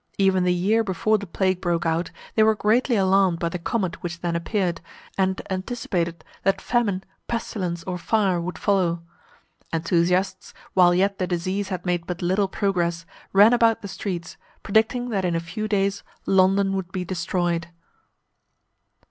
Even the year before the plague broke out, they were greatly alarmed by the comet which then appeared, and anticipated that famine, pestilence, or fire would follow. Enthusiasts, while yet the disease had made but little progress, ran about the streets, predicting that in a few days London would be destroyed.